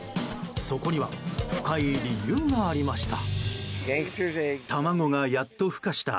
そこには深い理由がありました。